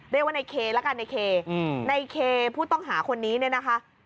เรียกว่าในเคละกันในเคในเคผู้ต้องหาคนนี้เนี่ยนะคะ